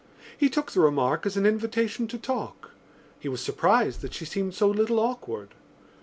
He took the remark as an invitation to talk. He was surprised that she seemed so little awkward.